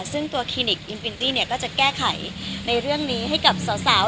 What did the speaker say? ซึ่งตัวคลินิกอิมปินตี้เนี่ยก็จะแก้ไขในเรื่องนี้ให้กับสาว